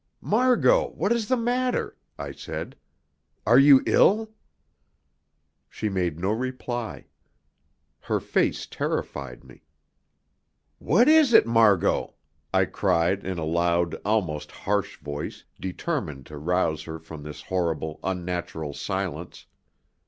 "Margot, what is the matter?" I said. "Are you ill?" She made no reply. Her face terrified me. "What is it, Margot?" I cried in a loud, almost harsh voice, determined to rouse her from this horrible, unnatural silence.